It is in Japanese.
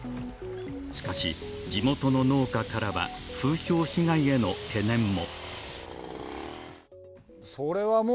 しかし、地元の農家からは風評被害への懸念も。